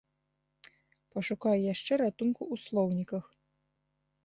Пашукаю яшчэ ратунку ў слоўніках.